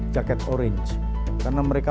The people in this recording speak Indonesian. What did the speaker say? jaket orange karena mereka